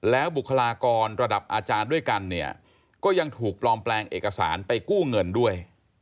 แล้วบุคลากรระดับอาจารย์ด้วยกันเนี่ยก็ยังถูกปลอมแปลงเอกสารไปกู้เงินด้วย